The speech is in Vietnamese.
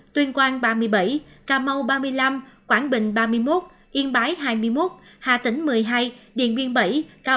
ba mươi bảy tuyên quang ba mươi bảy cà mau ba mươi năm quảng bình ba mươi một yên bái hai mươi một hà tĩnh một mươi hai điện biên bảy cao